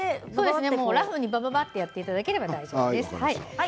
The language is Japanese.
ラフに、ばばばっとやっていただければ大丈夫です。